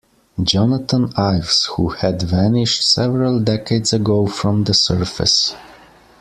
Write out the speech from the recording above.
Jonathan Ives, who had vanished several decades ago from the surface.